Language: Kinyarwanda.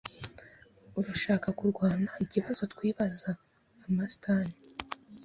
Urashaka kurwanaikibazo twibaza (Amastan)